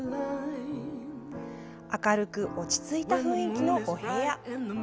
明るく落ち着いた雰囲気のお部屋。